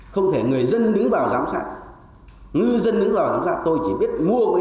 không thể người dân đứng vào giám sát ngư dân đứng vào giám sát tôi chỉ biết mua cái tàu cá